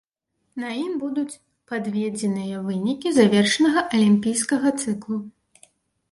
На ім будуць падведзеныя вынікі завершанага алімпійскага цыклу.